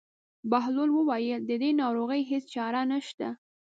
بهلول وویل: د دې ناروغۍ هېڅ چاره نشته.